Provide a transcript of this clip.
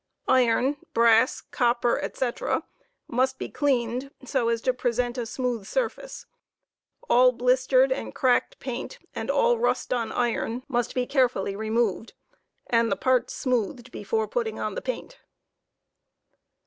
Iron, brass, copper, &c, must be cleaned so as to present a smooth surface. All bli&tered and cracked paint, and all rust on iron, must be carefully removed and the Vts smoothed before putting on the paint.